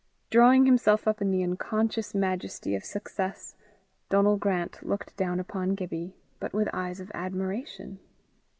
Drawing himself up in the unconscious majesty of success, Donal Grant looked down upon Gibbie, but with eyes of admiration.